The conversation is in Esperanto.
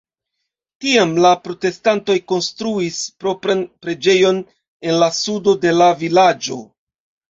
Tiam la protestantoj konstruis propran preĝejon en la sudo de la vilaĝo.